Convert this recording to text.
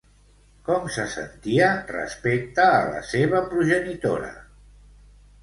Com se sentia respecte a la seva progenitora?